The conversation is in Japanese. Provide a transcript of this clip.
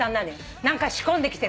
何か仕込んできてる。